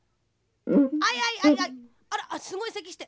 「あいあいあらすごいせきして」。